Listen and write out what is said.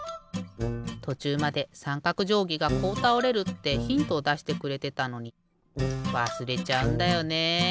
とちゅうまでさんかくじょうぎがこうたおれるってヒントをだしてくれてたのにわすれちゃうんだよね。